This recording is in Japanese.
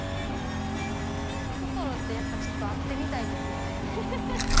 トトロってやっぱ会ってみたいですよね。